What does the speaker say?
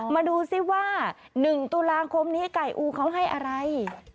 มาดูซิว่า๑ตุลาคมนี้ไก่อูเขาให้อะไร